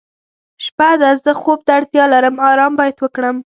شپه ده زه خوب ته اړتیا لرم آرام باید وکړم.